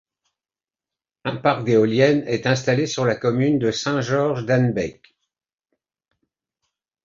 Un parc d’éoliennes est installé sur la commune de Saint-Georges-d'Annebecq.